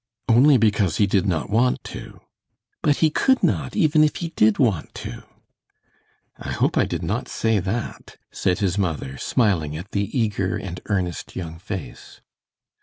"Only because he did not want to." "But he could not, even if he did want to." "I hope I did not say that," said his mother, smiling at the eager and earnest young face.